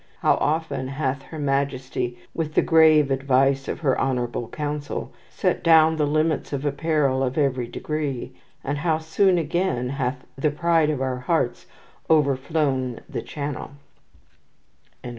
"How often hath her majestie, with the grave advice of her honourable Councell, sette down the limits of apparell of every degree; and how soon again hath the pride of our harts overflown the chanell."